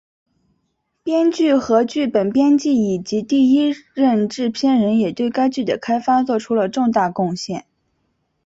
编剧和剧本编辑以及第一任制片人也对该剧的开发作出了重大贡献。